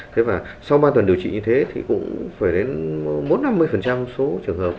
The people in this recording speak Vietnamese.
thế mà sau ba tuần điều trị như thế thì cũng phải đến một năm mươi số trường hợp